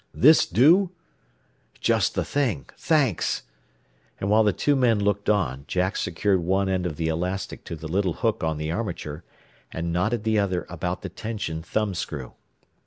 "This do?" "Just the thing. Thanks." And while the two men looked on, Jack secured one end of the elastic to the little hook on the armature, and knotted the other about the tension thumb screw.